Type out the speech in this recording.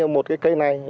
một cây này